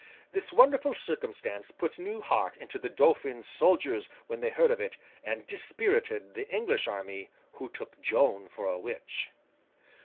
This wonderful circumstance put new heart into the Dauphin's soldiers when they heard of it, and dispirited the English army, who took Joan for a witch.